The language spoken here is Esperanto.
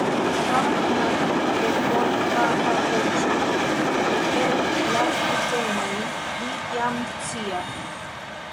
Kara knabo, respondis basa voĉo de el la kurtenoj, vi jam scias.